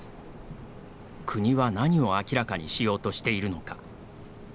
国は何を明らかにしようとしているのか。